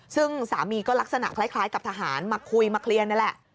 ซึ่งสามีก็ลักษณะคล้ายกับทหารมาคุยมาเคลียร์นี่แหละ